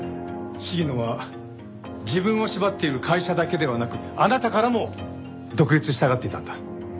鴫野は自分を縛っている会社だけではなくあなたからも独立したがっていたんだ。